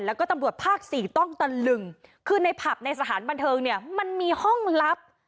แล้วก็ตำรวจภาคสี่ต้องตะลึงคือในผับในสถานบันเทิงเนี่ยมันมีห้องลับ